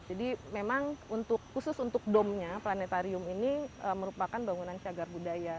memang khusus untuk domnya planetarium ini merupakan bangunan cagar budaya